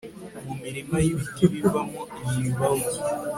mu mirima y'ibiti bivamo imibavu